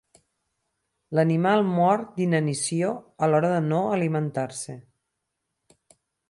L'animal mor d'inanició a l'hora de no alimentar-se.